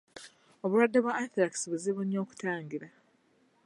Obulwadde bwa Anthrax buzibu nnyo okutangira.